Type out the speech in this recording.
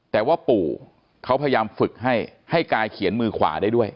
แต่ว่าปู่เขาพยายามฝึกให้ให้กายเขียนมือขวาได้ด้วย